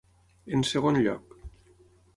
En segon lloc.